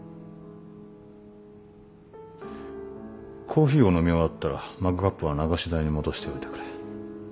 コーヒーを飲み終わったらマグカップは流し台に戻しておいてくれ。